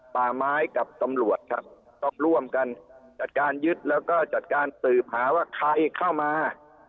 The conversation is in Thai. ป่าไม้กับตำรวจครับก็ร่วมกันจัดการยึดแล้วก็จัดการสืบหาว่าใครเข้ามา